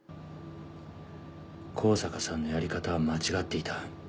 香坂さんのやり方は間違っていた。